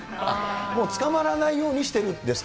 つかまらないようにしてるんですか。